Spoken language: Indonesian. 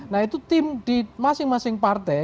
nah itu tim di masing masing partai